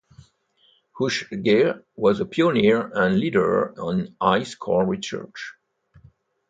Oeschger was a pioneer and leader in ice core research.